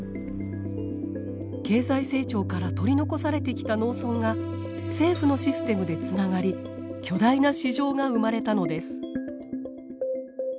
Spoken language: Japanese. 経済成長から取り残されてきた農村が政府のシステムでつながり巨大な市場が生まれたのです。